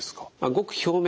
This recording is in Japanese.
ごく表面